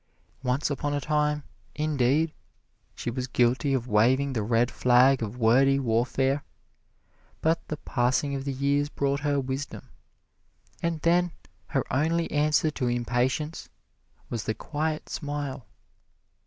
Once upon a time, indeed, she was guilty of waving the red flag of wordy warfare; but the passing of the years brought her wisdom, and then her only answer to impatience was the quiet smile.